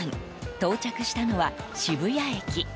到着したのは渋谷駅。